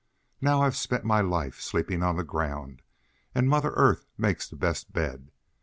"Now I've spent my life sleeping on the ground, and mother earth makes the best bed.